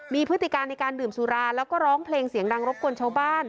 มีพฤติการในการดื่มสุราแล้วก็ร้องเพลงเสียงดังรบกวนชาวบ้าน